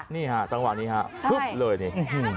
นี่ค่ะตั้งหวังนี้ค่ะคึ๊บเลยนี่